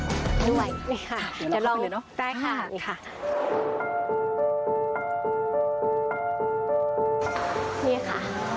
ด้วยเดี๋ยวลอง